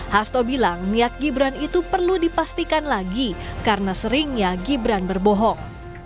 hasto bilang niat gibran itu perlu dipastikan lagi karena seringnya gibran berbohong